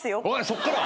そっから！？